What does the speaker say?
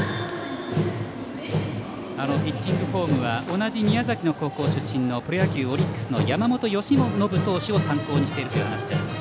ピッチングフォームは同じ宮崎の高校出身のプロ野球オリックスの山本由伸投手を参考にしているという話です